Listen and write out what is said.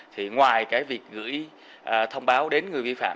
thì ngoài cái việc gửi thông báo đến người vi phạm